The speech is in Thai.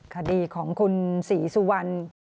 คดีของคุณศรีสุวรรณ